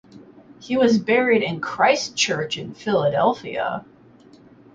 He was buried in Christ Church in Philadelphia.